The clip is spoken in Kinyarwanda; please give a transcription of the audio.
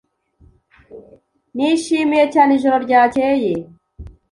Nishimiye cyane ijoro ryakeye.